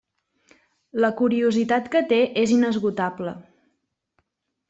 La curiositat que té és inesgotable.